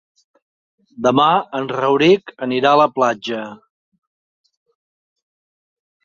Demà en Rauric anirà a la platja.